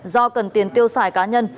do cần tiền tiêu xài cá nhân